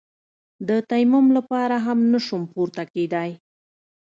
د تيمم لپاره هم نسوم پورته کېداى.